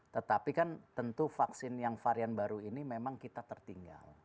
tetapi kan tentu vaksin yang varian baru ini memang kita tertinggal